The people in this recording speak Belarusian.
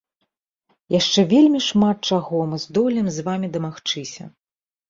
Яшчэ вельмі шмат чаго мы здолеем з вамі дамагчыся.